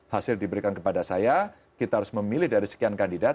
hasil diberikan kepada saya kita harus memilih dari sekian kandidat